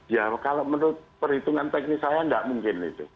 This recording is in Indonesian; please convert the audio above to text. ya kalau menurut perhitungan teknis saya tidak mungkin itu